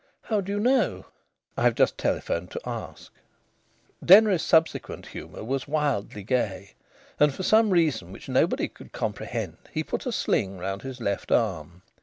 "How do you know?" "I've just telephoned to ask." Denry's subsequent humour was wildly gay. And for some reason which nobody could comprehend, he put a sling round his left arm.